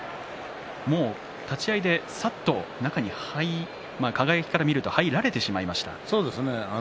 立ち合いでさっと中に輝から見ると入られてしまいましたね。